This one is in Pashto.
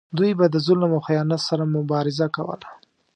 دوی به د ظلم او خیانت سره مبارزه کوله.